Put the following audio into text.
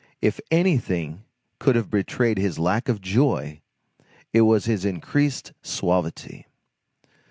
If anything could have betrayed his lack of joy, it was his increased suavity.